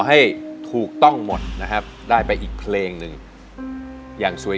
อีกสองตัวด้วย